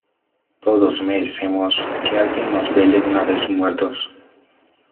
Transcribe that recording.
todos merecemos que alguien nos vele una vez muertos.